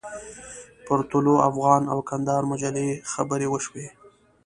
پر طلوع افغان او کندهار مجلې خبرې وشوې.